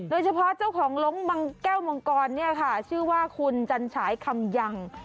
โดยเฉพาะเจ้าของลงแก้วมังกรเนี่ยค่ะชื่อว่าคุณจันฉายคำยัง